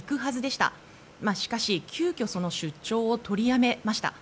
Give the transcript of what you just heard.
しかし、急きょ出張を取りやめました。